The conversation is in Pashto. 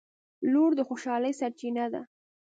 • لور د خوشحالۍ سرچینه ده.